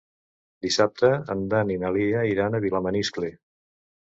Dissabte en Dan i na Lia iran a Vilamaniscle.